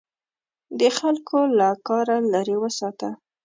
د خلکو له کاره لیرې وساته.